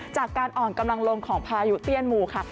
จากการอ่อนกำลังลงของพายุเตี้ยนหมู่ค่ะ